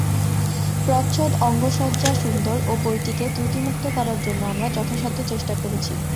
প্রচ্ছদ, অঙ্গসজ্জা সুন্দর ও বইটিকে ত্রুটিমুক্ত করার জন্য আমরা যথাসাধ্য চেষ্টা করেছি।